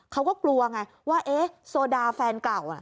เขาก็กลัวไงว่าเอ๊ะโซดาแฟนเก่า